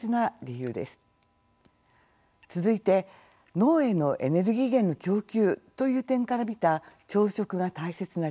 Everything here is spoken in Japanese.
続いて脳へのエネルギー源の供給という点から見た朝食が大切な理由です。